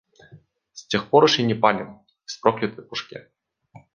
С тех пор уж и не палим из проклятой пушки.